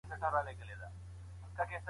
هر ليکوال خپل سبک لري.